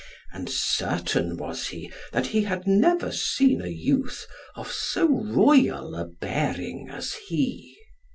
And certain was he, that he had never seen a youth of so royal a bearing as he.